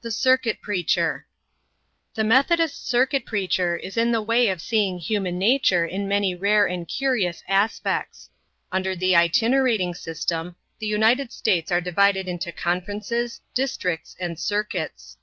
THE CIRCUIT PREACHER. THE Methodist circuit preacher is in the way of seeing human nature in many rare and curious aspects. Under the itinerating system, the United States are divided into conferences, districts, and circuits.